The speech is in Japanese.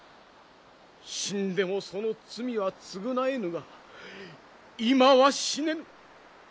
死んでもその罪は償えぬが今は死ねぬ！